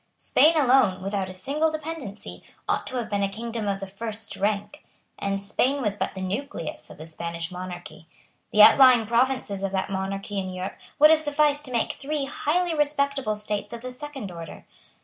Spain alone, without a single dependency, ought to have been a kingdom of the first rank; and Spain was but the nucleus of the Spanish monarchy. The outlying provinces of that monarchy in Europe would have sufficed to make three highly respectable states of the second order.